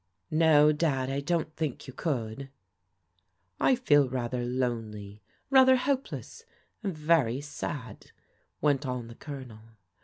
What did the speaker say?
'*" No, Dad, I don't think you could." "I feel rather lonely, rather helpless, and very sad," went on the Colonel.